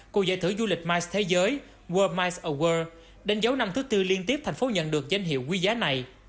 cuộc giải thưởng du lịch mice thế giới world mice awarre đánh dấu năm thứ tư liên tiếp thành phố nhận được danh hiệu quý giá này